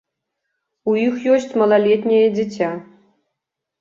У іх ёсць малалетняе дзіця.